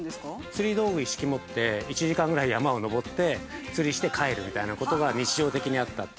◆釣り道具一式持って１時間ぐらい山を登って釣りして帰るみたいなことが日常的にあったって。